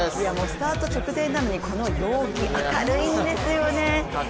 スタート直前なのにこの陽気、明るいんですよね。